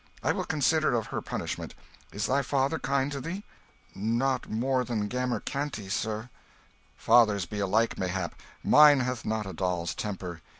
I will consider of her punishment. Is thy father kind to thee?" "Not more than Gammer Canty, sir." "Fathers be alike, mayhap. Mine hath not a doll's temper.